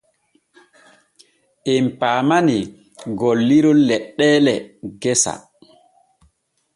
Em paamanee golliron leɗɗeele gesa.